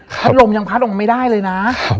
พัดลมยังพัดลงไม่ได้เลยนะ